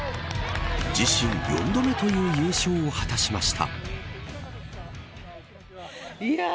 自身４度目という優勝を果たしました。